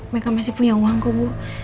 mereka masih punya uang kok bu